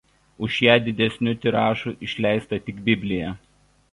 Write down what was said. Už ją didesniu tiražu išleista tik Biblija.